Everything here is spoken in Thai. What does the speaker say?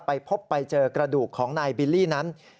ไปพบไปเจอกระดูกของนายบิลลี่นั้น